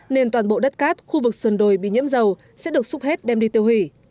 nên toàn bộ đất cát khu vực sườn đồi bị nhiễm dầu sẽ được xúc hết đem đi tiêu hủy